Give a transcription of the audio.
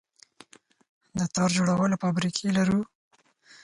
د تار جوړولو فابریکې لرو؟